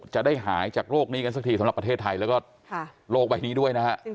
จะได้หายจากโรคนี้กันสักทีสำหรับประเทศไทยแล้วก็โรคใบนี้ด้วยนะฮะ